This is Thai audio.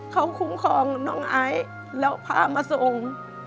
เขาคุ้มครองน้องไอซ์แล้วพามาส่ง